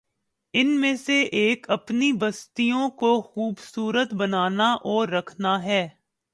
ان میں سے ایک اپنی بستیوں کو خوب صورت بنانا اور رکھنا ہے۔